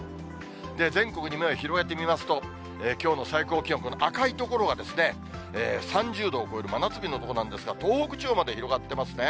全国に目を広げてみますと、きょうの最高気温、この赤い所が３０度を超える真夏日の所なんですが、東北地方まで広がってますね。